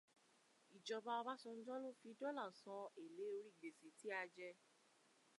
Ìjọba Ọbásanjọ́ ló fi dọ́là san èlé orí gbèsè tí a jẹ